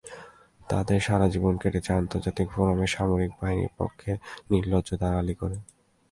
তাঁদের সারা জীবন কেটেছে আন্তর্জাতিক ফোরামে সামরিক বাহিনীর পক্ষে নির্লজ্জ দালালি করে।